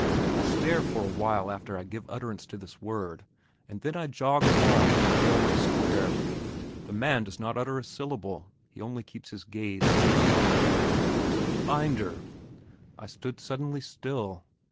I stare for a while after I give utterance to this word, and then I jog along again to the railway square. The man does not utter a syllable, he only keeps his gaze fixed upon me. "Binder!" I stood suddenly still.